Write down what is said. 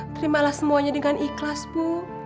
terimalah semuanya dengan ikhlas bu